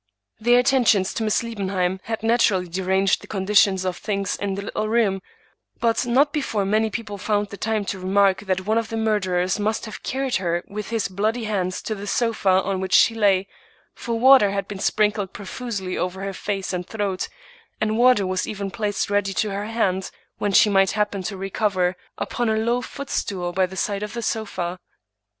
Their atten tions to Miss Liebenheim had naturally deranged the con dition of things in the little room, but not before many people found time to remark that one of the murderers must have carried her with his bloody hands to the sofa on which she lay, for water had been sprinkled profusely over her 139 English Mystery Stories face and throat, and water was even placed ready to her hand, when she might happen to recover, upon a low foot stool by the side of the sofa.